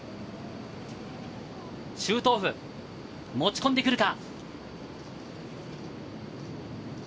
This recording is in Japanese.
シュートオフ、持ち込んでくるか？